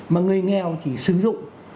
mà người nghèo chỉ sử dụng